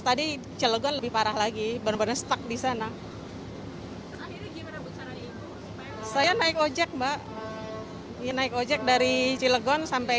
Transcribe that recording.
ke cilegon lebih parah lagi bener bener stak di sana saya naik ojek mbak naik ojek dari cilegon sampai